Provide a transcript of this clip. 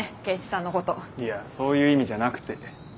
いやそういう意味じゃなくて。